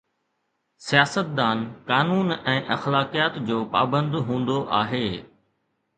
سياستدان قانون ۽ اخلاقيات جو پابند هوندو آهي.